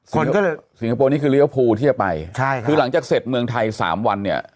คนก็เลยสิงคโปร์นี่คือลิเวอร์พูลที่จะไปใช่ค่ะคือหลังจากเสร็จเมืองไทยสามวันเนี่ย